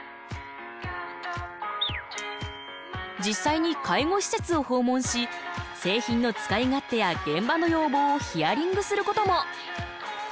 実際に介護施設を訪問し製品の使い勝手や現場の要望をヒアリングすることも。